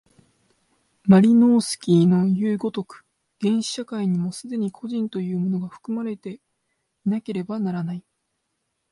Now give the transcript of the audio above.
マリノースキイのいう如く、原始社会にも既に個人というものが含まれていなければならない。